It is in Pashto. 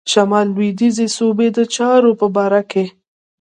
شمال لوېدیځي صوبې د چارو په باره کې.